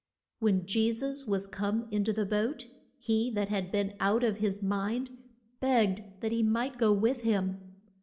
When Je sus was come in to the boat, he that had been out of his mind begged that he might go with him.